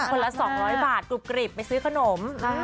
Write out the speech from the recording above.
ละ๒๐๐บาทกรุบกริบไปซื้อขนม